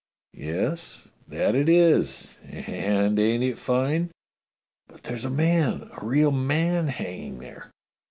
"Yes, that it is — and ain't it fine .f^" "But there's a man, a real man hanging there."